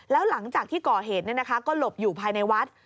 แล้วหลังจากที่ก่อเหตุก็หลบอยู่ภายในวัด